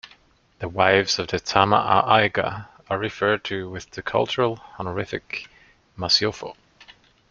The wives of the Tama-a-Aiga are referred to with the cultural honorific "Masiofo".